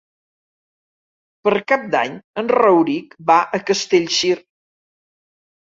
Per Cap d'Any en Rauric va a Castellcir.